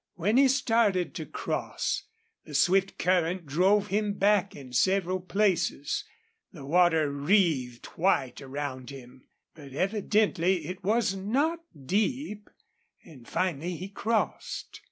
When he started to cross, the swift current drove him back in several places. The water wreathed white around him. But evidently it was not deep, and finally he crossed.